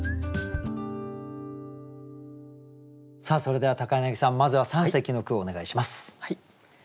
さあそれでは柳さんまずは三席の句をお願いします。